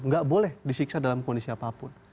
nggak boleh disiksa dalam kondisi apapun